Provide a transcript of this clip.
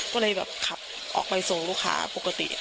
ก็เลยแบบขับออกไปส่งลูกค้าปกติ